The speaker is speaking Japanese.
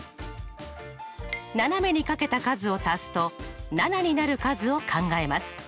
斜めに掛けた数を足すと７になる数を考えます。